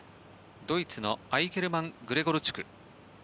ドイツのアイケルマン・グレゴルチュク。